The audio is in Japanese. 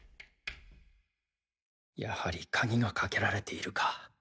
やはり鍵がかけられているか